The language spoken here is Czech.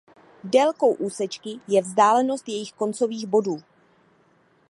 Délkou úsečky je vzdálenost jejich koncových bodů.